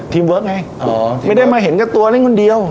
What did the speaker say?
เวิร์คไงไม่ได้มาเห็นกับตัวเล่นคนเดียว